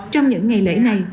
trong những ngày lễ này